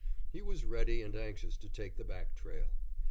He was ready and anxious to take the back trail.